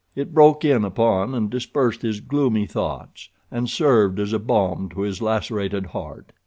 It broke in upon and dispersed his gloomy thoughts, and served as a balm to his lacerated heart.